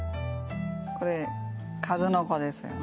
これ数の子ですよね。